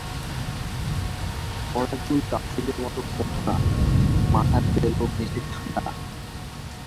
কড়া চুল কাফ্রিদের মতো কোঁকড়া, মাথার তেলো ঘেঁষে ছাঁটা।